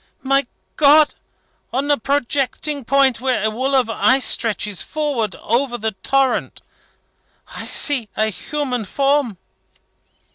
"My God! On a projecting point, where a wall of ice stretches forward over the torrent, I see a human form!"